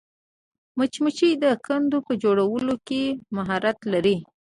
مچمچۍ د کندو په جوړولو کې مهارت لري